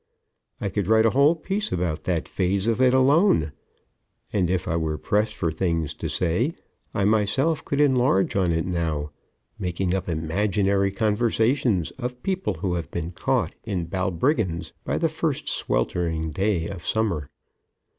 I could write a whole piece about that phase of it alone, and, if I were pressed for things to say, I myself could enlarge on it now, making up imaginary conversation of people who have been caught in balbriggans by the first sweltering day of summer.